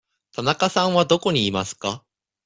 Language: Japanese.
田中さんはどこにいますか。